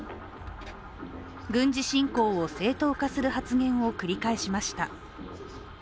軍事侵攻を正当化する発言を繰り返しました。